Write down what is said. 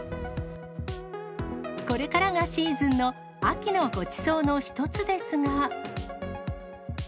これからがシーズンの秋のごちそうの一つですが。